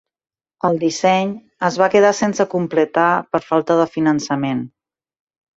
El disseny es va quedar sense completar per falta de finançament.